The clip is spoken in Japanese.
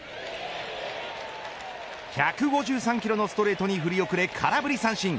１５３キロのストレートに振り遅れ空振り三振。